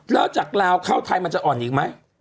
แล้วจากลาวเข้าไทยมันจะอ่อนอีกไหม